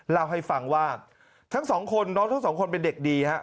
เล่าให้ฟังว่าทั้งสองคนน้องทั้งสองคนเป็นเด็กดีฮะ